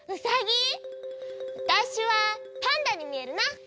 わたしはパンダにみえるな！